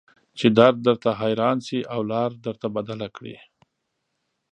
چې درد درته حيران شي او لار درنه بدله کړي.